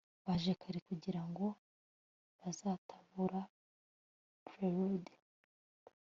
baje kare kugirango batazabura prelude